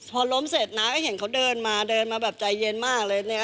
พอล้มเสร็จน้าก็เห็นเขาเดินมาเดินมาแบบใจเย็นมากเลยเนี่ย